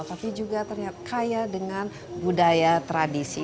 tapi juga terlihat kaya dengan budaya tradisi